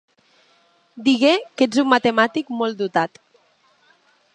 Digué que ets un matemàtic molt dotat.